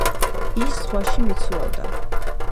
ის ზღვაში მიცურავდა!